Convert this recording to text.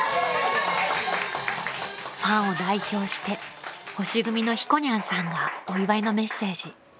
［ファンを代表して星組のひこにゃんさんがお祝いのメッセージ］